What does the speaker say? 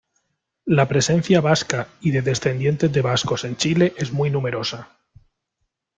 La presencia vasca y de descendientes de vascos en Chile es muy numerosa.